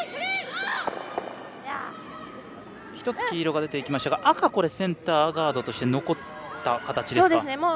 １つ黄色が出ていきましたが赤がセンターガードとして残った形ですか？